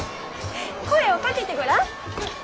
声をかけてごらん！